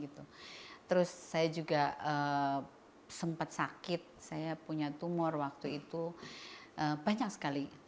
terus saya juga sempat sakit saya punya tumor waktu itu banyak sekali